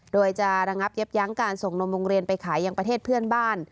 โดยจะระงับเย็บยั้งการส่งนมโรงเรียนไปขายอย่างประเทศเพื่อนบ้าน